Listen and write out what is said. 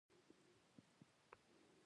ټول خلک زړېږي زه بېرته ځوانېږم.